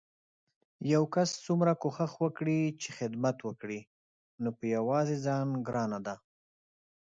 يو کس څومره کوښښ وکړي چې خدمت وکړي نو په يوازې ځان ګرانه ده